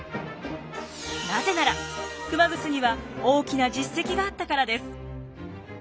なぜなら熊楠には大きな実績があったからです。